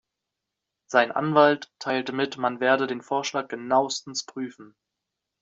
Sein Anwalt teilte mit, man werde den Vorschlag genauestens prüfen.